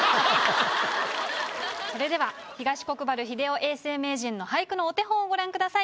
それでは東国原英夫永世名人の俳句のお手本をご覧ください。